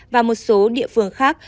và một số địa phương khác